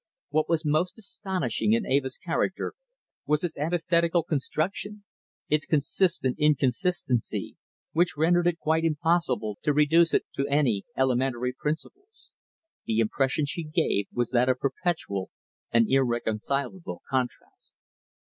What was most astonishing in Eva's character was its antithetical construction, its consistent inconsistency, which rendered it quite impossible to reduce it to any elementary principles. The impression she gave was that of perpetual and irreconcilable contrast.